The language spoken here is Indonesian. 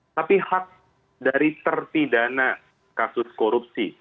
tapi hak dari terpidana kasus korupsi